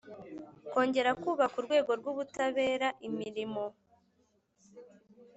kongera kubaka urwego rw ubutabera imirimo